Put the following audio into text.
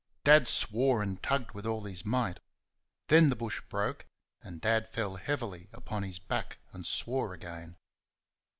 Dad swore and tugged with all his might. Then the bush broke and Dad fell heavily upon his back and swore again.